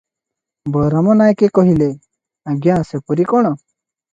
ବଳରାମ ନାୟକେ କହିଲେ, "ଆଜ୍ଞା ସେପରି କଣ?